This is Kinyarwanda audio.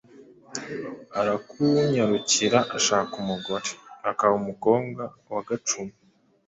Arakunyarukira ashaka umugore, akaba, umukobwa wa Gacumu.